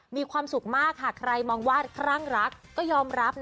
มีความสุขมากหากใครมองว่าครั้งรักก็ยอมรับ